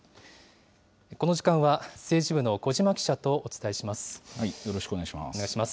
この時間は、政治部の小嶋記者とよろしくお願いします。